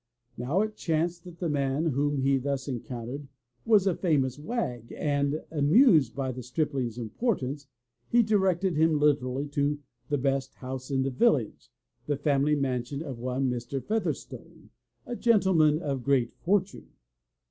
Now it chanced that the man whom he thus encountered was a famous wag and, 107 M Y BOOK HOUSE IliiSllif' L^^ lamused by the stripling's importance, he fe^Mil I. li^^:^ directed him literally to the best house in the village/* the family mansion of one, Mr. Featherstone, a gentleman of great for tune.